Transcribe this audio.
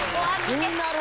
気になる。